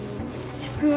ちくわ。